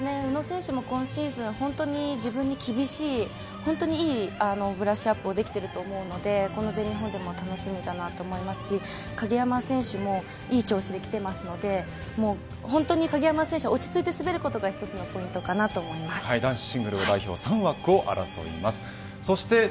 宇野選手も今シーズン本当に自分に厳しい本当にいいブラッシュアップをできていると思うのでこの全日本でも楽しみだなと思いますし鍵山選手もいい調子できていますので本当に鍵山選手は落ち着いて滑ることが一つの男子シングル代表３枠を争います。